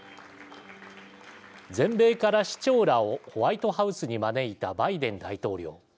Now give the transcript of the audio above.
全米から市長らをホワイトハウスに招いたバイデン大統領。